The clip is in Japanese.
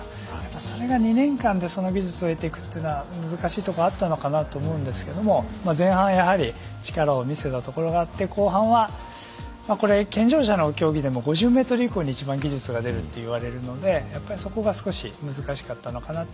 それが２年間で、その技術を得ていくというのは難しいところがあったのかなと思うんですが前半、やはり力を見せたところがあって後半は健常者の競技でも５０ｍ以降に１番技術が出るといわれるのでそこが少し難しかったのかなと。